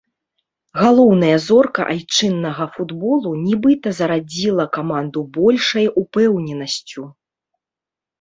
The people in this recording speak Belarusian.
Галоўная зорка айчыннага футболу, нібыта зарадзіла каманду большай упэўненасцю.